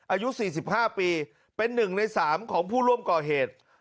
อายุ๔๕ปีเป็น๑ใน๓ของผู้ร่วมก่อเหตุ